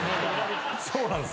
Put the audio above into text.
そうなんすよ。